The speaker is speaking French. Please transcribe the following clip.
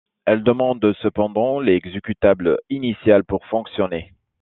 Elle demande cependant l'exécutable initial pour fonctionner.